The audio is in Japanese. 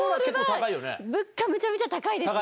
物価めちゃめちゃ高いです。